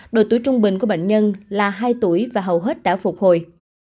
độ tuổi trung bình của bệnh nhân là hai tuổi và hầu hết đã phục hồi